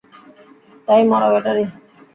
তাই মরা ব্যাটারি?